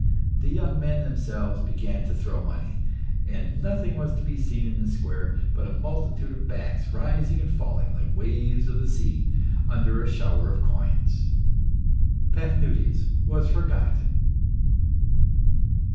The young men themselves began to throw money, and nothing was to be seen in the square but a multitude of backs, rising and falling like waves of the sea, under a shower of coins. Paphnutius was forgotten.